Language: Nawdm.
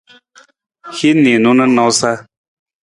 Hin niinu na nawusa.